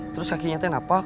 terus kakinya ten apa